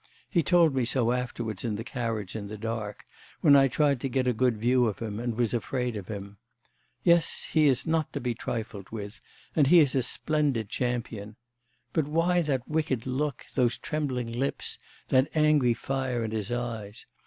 He told me so afterwards in the carriage in the dark, when I tried to get a good view of him and was afraid of him. Yes, he is not to be trifled with, and he is a splendid champion. But why that wicked look, those trembling lips, that angry fire in his eyes?